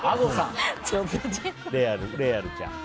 レアルちゃん。